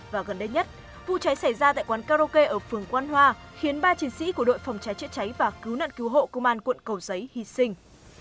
và gần đây nhất vụ cháy xảy ra tại quán karaoke ở phường quan hoa khiến ba chiến sĩ của đội phòng cháy chữa cháy và cứu nạn cứu hộ công an quận cầu giấy hy sinh